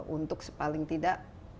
untuk sepaling tidak